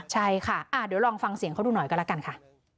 ใช่ค่ะเดี๋ยวลองฟังเสียงเขาดูหน่อยก็แล้วกันค่ะ